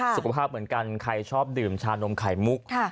สุขภาพเหมือนกันใครชอบดื่มชานมไข่มุก